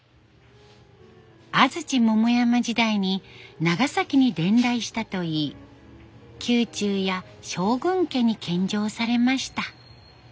安土桃山時代に長崎に伝来したといい宮中や将軍家に献上されました。